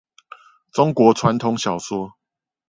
中國傳統小說